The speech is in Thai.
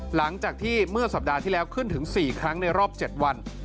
หลังจากที่เมื่อสัปดาห์ที่แล้วขึ้นถึง๔ครั้งในรอบ๗วัน